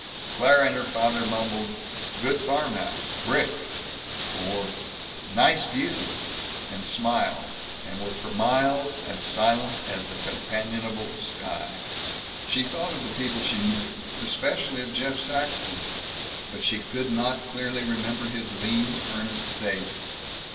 Claire and her father mumbled, "Good farmhouse brick," or "Nice view," and smiled, and were for miles as silent as the companionable sky. She thought of the people she knew, especially of Jeff Saxton. But she could not clearly remember his lean earnest face.